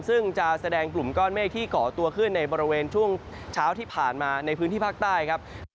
ซึ่งจะแสดงกลุ่มก้อนเมฆที่เกาะตัวขึ้นในบริเวณช่วงเช้าที่ผ่านมาในพื้นที่ภาคใต้ครับ